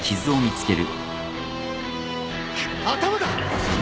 頭だ！